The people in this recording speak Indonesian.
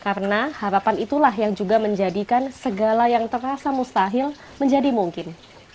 karena harapan itulah yang juga menjadikan segala yang terasa mustahil menjadi mungkin